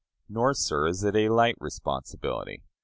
Nor, sir, is it a light responsibility.